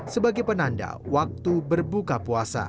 sebagai penanda waktu berbuka puasa